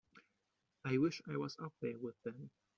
I wish I was up there with them.